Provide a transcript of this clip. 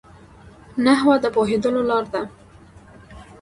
نحوه د پوهېدو لار ده.